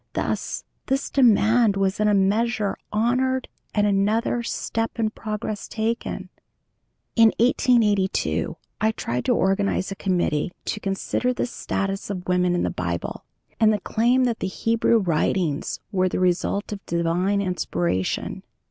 Thus this demand was in a measure honored and another "step in progress" taken. In 1882 I tried to organize a committee to consider the status of women in the Bible, and the claim that the Hebrew Writings were the result of divine inspiration.